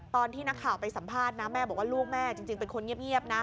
ตอนที่นักข่าวไปสัมภาษณ์นะแม่บอกว่าลูกแม่จริงเป็นคนเงียบนะ